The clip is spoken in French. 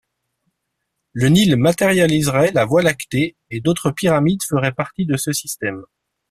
Le Nil matérialiserait la Voie lactée et d'autres pyramides feraient partie de ce système.